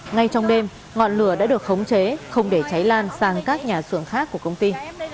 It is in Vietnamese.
ngay trong đêm ngọn lửa đã được khống chế không để cháy lan sang các nhà xưởng khác của công ty